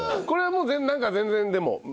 これはもうなんか全然。